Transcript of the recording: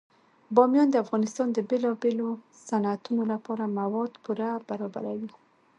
بامیان د افغانستان د بیلابیلو صنعتونو لپاره مواد پوره برابروي.